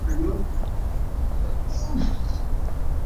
গৃহহীনদেরকে প্রতি আলাদা টান আমার।